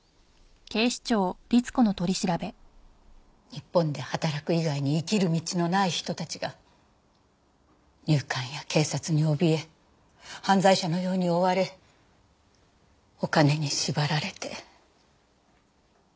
日本で働く以外に生きる道のない人たちが入管や警察におびえ犯罪者のように追われお金に縛られて。